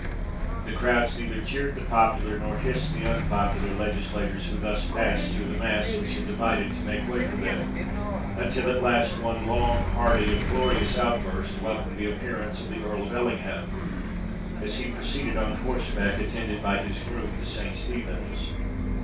The crowds neither cheered the popular, nor hissed the unpopular legislators who thus passed through the mass which had divided to make way for them; until at last one long, hearty, and glorious outburst welcomed the appearance of the Earl of Ellingham, as he proceeded on horseback, attended by his groom, to St. Stephen's.